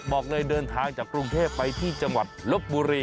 บอกเลยเดินทางจากกรุงเทพไปที่จังหวัดลบบุรี